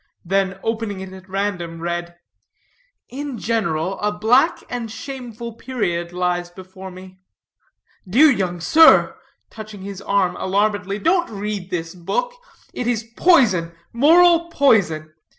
Then opening it at random, read: "In general a black and shameful period lies before me." "Dear young sir," touching his arm alarmedly, "don't read this book. It is poison, moral poison.